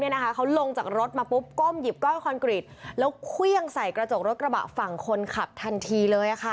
เขาลงจากรถมาปุ๊บก้มหยิบก้อนคอนกรีตแล้วเครื่องใส่กระจกรถกระบะฝั่งคนขับทันทีเลย